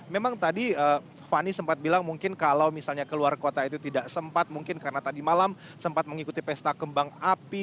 memang tadi fani sempat bilang mungkin kalau misalnya keluar kota itu tidak sempat mungkin karena tadi malam sempat mengikuti pesta kembang api